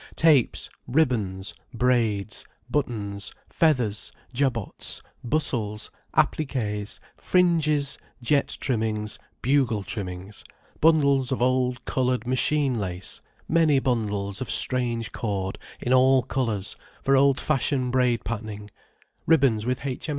Tapes, ribbons, braids, buttons, feathers, jabots, bussels, appliqués, fringes, jet trimmings, bugle trimmings, bundles of old coloured machine lace, many bundles of strange cord, in all colours, for old fashioned braid patterning, ribbons with H.